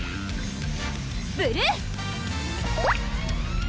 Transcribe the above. ブルー！